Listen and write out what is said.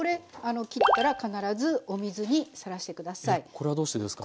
これはどうしてですか？